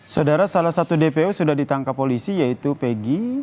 saudara salah satu dpo sudah ditangkap polisi yaitu pegi